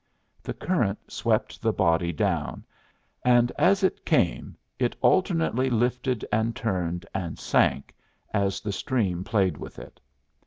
The current swept the body down, and as it came it alternately lifted and turned and sank as the stream played with it.